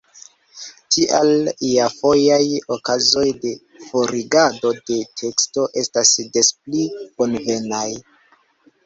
Tial iafojaj okazoj de forigado de teksto estas des pli bonvenaj.